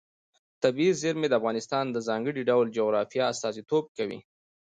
طبیعي زیرمې د افغانستان د ځانګړي ډول جغرافیه استازیتوب کوي.